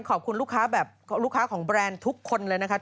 ขอบคุณลูกค้าแบบลูกค้าของแบรนด์ทุกคนเลยนะคะ